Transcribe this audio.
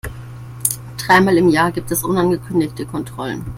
Dreimal im Jahr gibt es unangekündigte Kontrollen.